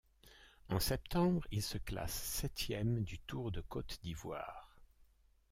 En septembre, il se classe septième du Tour de Côte d'Ivoire.